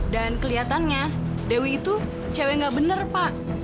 dan kelihatannya dewi itu cewek nggak bener pak